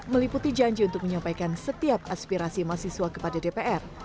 meliputi janji untuk menyampaikan setiap aspirasi mahasiswa kepada dpr